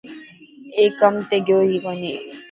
اي ڪم تي گيو هي ڪوني.